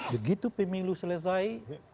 begitu pemilu selesai